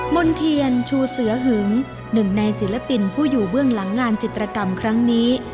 มณ์เทียนชูเสือหึงหนึ่งในศิลปินผู้อยู่เบื้องหลังงานจิตรกรรมครั้งนี้